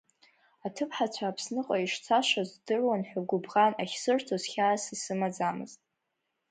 Аҭыԥҳацәа Аԥсныҟа ишцашаз здыруан ҳәа гәыбӷан ахьсырҭоз хьаас исымаӡамызт.